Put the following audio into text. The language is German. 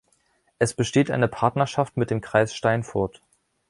Es besteht eine Partnerschaft mit dem Kreis Steinfurt.